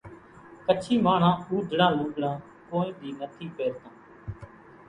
ڪڇي ماڻۿان اُوڌڙان لوڳڙان ڪونئين ۮي نٿي ليتان